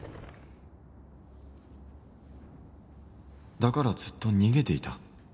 だからずっと逃げていた